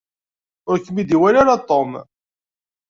Ur kem-id-iwala ara Tom.